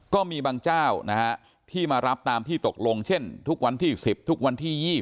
ก็มีบางเจ้านะฮะที่มารับตามที่ตกลงเช่นทุกวันที่๑๐ทุกวันที่๒๐